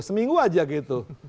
seminggu aja gitu